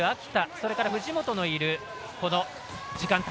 それから藤本のいる時間帯。